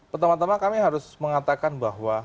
pertama tama kami harus mengatakan bahwa